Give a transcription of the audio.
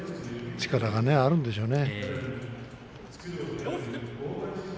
力があるんでしょうね。